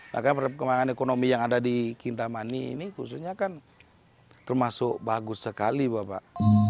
makanya perkembangan ekonomi yang ada di kintamani ini khususnya kan termasuk bagus sekali bapak